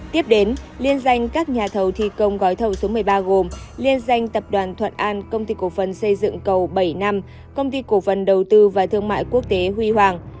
tiếp đến liên danh các nhà thầu thi công gói thầu số một mươi ba gồm liên danh tập đoàn thuận an công ty cổ phần xây dựng cầu bảy năm công ty cổ phần đầu tư và thương mại quốc tế huy hoàng